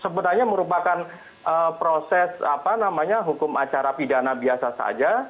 sebenarnya merupakan proses hukum acara pidana biasa saja